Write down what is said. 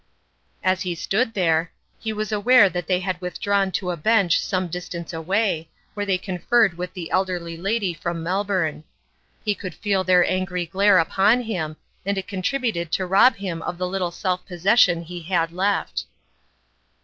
As he stood there, he was aware that they had withdrawn to a bench some distance away, where they conferred with the elderly lady <30m;p0rinb Interest. 171 from Melbourne. He could feel their an gry glare upon him, and it contributed to rob him of the little self possession he had left.